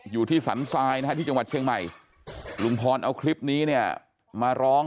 สันทรายนะฮะที่จังหวัดเชียงใหม่ลุงพรเอาคลิปนี้เนี่ยมาร้อง